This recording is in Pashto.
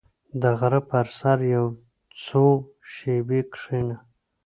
• د غره پر سر یو څو شېبې کښېنه.